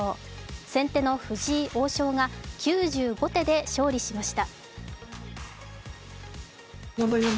先手の藤井王将が９５手で勝利しました。